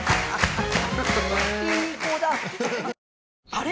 あれ？